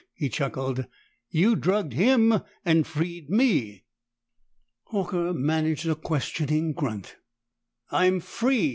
He chuckled. "You drugged him and freed me!" Horker managed a questioning grunt. "I'm free!"